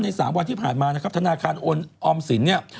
๓วันที่ผ่านมานะครับธนาคารโอนออมสินเนี่ย